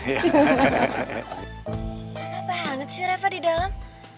mama banget sih reva di dalam